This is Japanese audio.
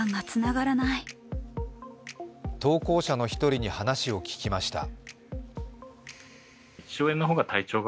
投稿者の１人に話を聞きました。